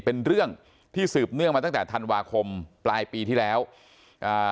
เป็นเรื่องที่สืบเนื่องมาตั้งแต่ธันวาคมปลายปีที่แล้วอ่า